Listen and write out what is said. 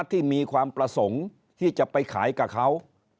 ที่มีความประสงค์ที่จะไปขายกับเขา